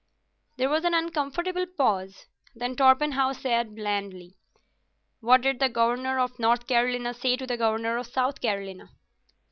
There was an uncomfortable pause. Then Torpenhow said blandly, "What did the Governor of North Carolina say to the Governor of South Carolina?"